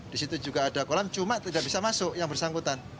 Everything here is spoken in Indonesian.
di situ juga ada kolam cuma tidak bisa masuk yang bersangkutan